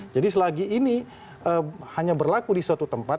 jadi selagi ini hanya berlaku di suatu tempat